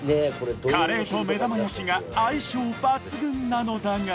カレーと目玉焼きが相性抜群なのだが